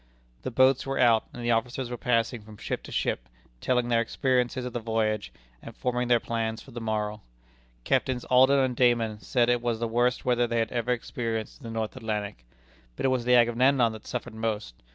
The boats were out, and the officers were passing from ship to ship, telling their experiences of the voyage, and forming their plans for the morrow. Captains Aldham and Dayman said it was the worst weather they had ever experienced in the North Atlantic. But it was the Agamemnon that suffered most.